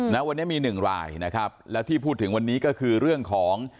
ณวันนี้มีหนึ่งรายนะครับแล้วที่พูดถึงวันนี้ก็คือเรื่องของ